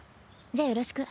じゃあよろしく。